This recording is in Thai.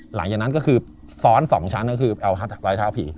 หลังจากนั้นก็คือซ้อน๒ชั้นก็คือเอารอยเท้าผี